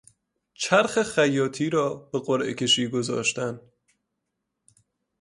چرخ خیاطی را به قرعه کشی گذاشتن